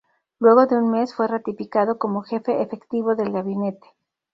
Luego de un mes fue ratificado como jefe efectivo del gabinete.